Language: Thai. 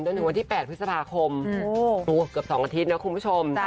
ถึงวันที่๘พฤษภาคมเกือบ๒อาทิตย์นะคุณผู้ชม